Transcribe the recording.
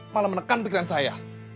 malah menekan pikiran saya